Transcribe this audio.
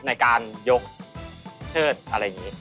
ในการยกเชิดอะไรอย่างนี้